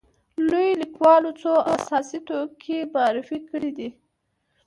لویو لیکوالو څو اساسي توکي معرفي کړي دي.